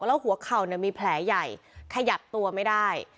แล้วหัวเข่ามีแผลใหญ่ขยับตัวไม่ได้